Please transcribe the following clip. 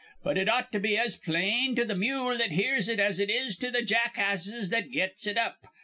But it ought to be as plain to th' mule that hears it as it is to th' jackasses that gets it up.